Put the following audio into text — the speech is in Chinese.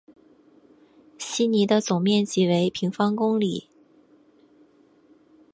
希尼的总面积为平方公里。